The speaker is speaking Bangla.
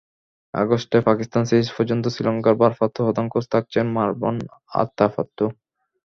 আগস্টে পাকিস্তান সিরিজ পর্যন্ত শ্রীলঙ্কার ভারপ্রাপ্ত প্রধান কোচ থাকছেন মারভান আতাপাত্তু।